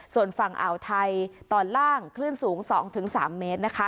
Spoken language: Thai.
ส่วนฝั่งอ่าวไทยตอนล่างคลื่นสูง๒๓เมตรนะคะ